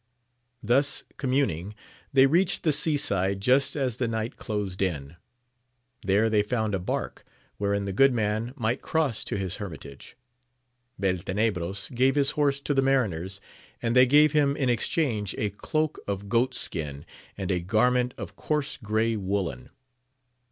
Thus communing they reached the sea side just as the night closed in ; there they found a bark, wherein the good man might cross to his hermit age. Beltenebros gave his horse to the mariners, and they gave him in exchange a cloak of goat skin, and a garment of coarse grey woollen.